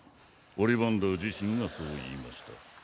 オリバンダー自身がそう言いました